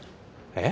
えっ？